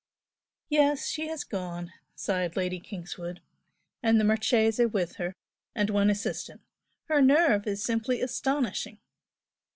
"Yes, she has gone!" sighed Lady Kingswood "and the Marchese with her, and one assistant. Her 'nerve' is simply astonishing!"